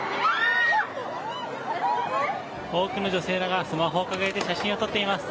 多くの女性らがスマホを掲げて写真を撮っています。